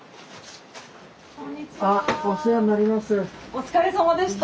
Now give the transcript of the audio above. お疲れさまでした。